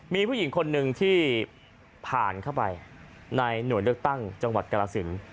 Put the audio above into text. มีผู้หญิงคนหนึ่งที่ผ่านเข้าไปในหน่วยเลือกตั้งจังหวัดกรสิน